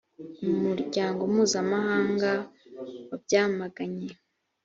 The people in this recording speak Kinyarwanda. umuryango mpuzamahanga wabyamaganye.